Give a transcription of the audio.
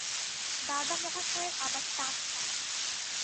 দাদা মহাশয়ের আবার টাক নাই!